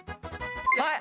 はい！